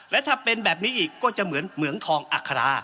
และถ้าเป็นแบบนี้อีกก็จะเหมือนเหมืองทองอัครา